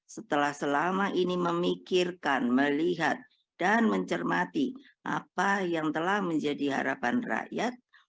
setelah selama ini memikirkan melihat dan mencermati apa yang telah menjadi harapan rakyat